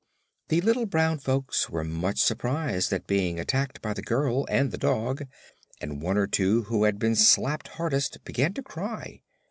The little brown folks were much surprised at being attacked by the girl and the dog, and one or two who had been slapped hardest began to cry.